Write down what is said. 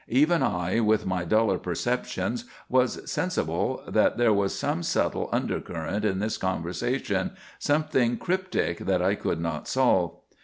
Even I, with my duller perceptions, was sensible that there was some subtle undercurrent in this conversation; something cryptic that I could not solve.